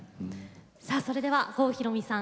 さあそれでは郷ひろみさん